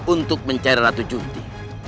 untuk mencari ratu junti